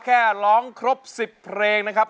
แค่ร้องครบ๑๐เพลงนะครับ